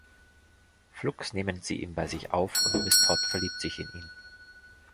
Flugs nehmen sie ihn bei sich auf und Miss Todd verliebt sich in ihn.